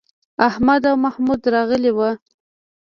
احمد او محمد راغلي وو.